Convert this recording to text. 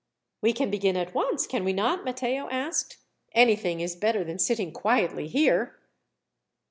"We can begin at once, can we not?" Matteo asked. "Anything is better than sitting quietly here."